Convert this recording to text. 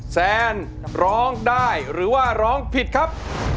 แซนร้องได้หรือว่าร้องผิดครับ